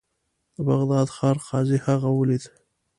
د بغداد ښار قاضي هغه ولید.